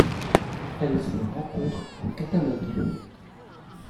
Elle se rencontre en Catalogne.